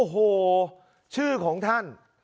โอ้โหชื่อของท่าน